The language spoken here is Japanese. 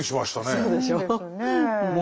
そうでしょう。